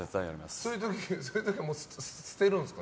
そういう時は捨てるんですか？